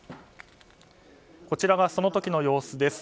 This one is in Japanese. こちらはその時の様子です。